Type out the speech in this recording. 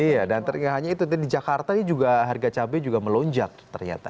iya dan tergengarannya itu di jakarta juga harga cabai juga melonjat ternyata